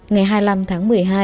ngày hai mươi năm tháng một mươi hai